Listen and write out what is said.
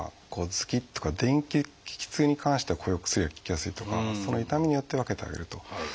ズキッとか激痛に関してはこういうお薬が効きやすいとかその痛みによって分けてあげると。